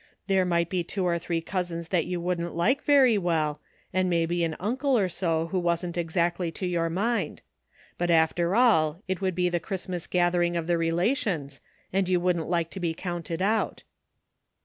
There might be two or three cousins that you wouldn't like very well, and maybe an uncle or so who wasn't exactly to your mind ; but after all it would be the Christmas gathering of the relations, and you wouldn't like to be counted out."